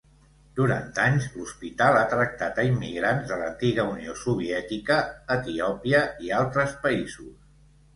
Durant anys, l'hospital ha tractat a immigrants de l'antiga Unió Soviètica, Etiòpia i altres països.